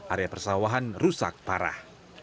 area persawahan rusak parah